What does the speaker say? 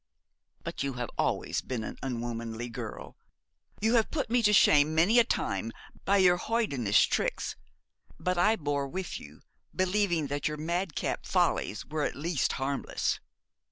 But you have always been an unwomanly girl. You have put me to shame many a time by your hoydenish tricks; but I bore with you, believing that your madcap follies were at least harmless.